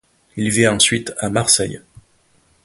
Il vit ensuite à Marseille.